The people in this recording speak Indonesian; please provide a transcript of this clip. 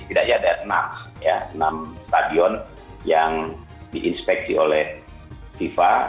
tidak hanya ada enam stadion yang diinspeksi oleh fifa